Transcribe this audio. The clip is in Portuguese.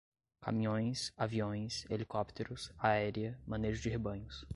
caminhões, aviões, helicópteros, aérea, manejo de rebanhos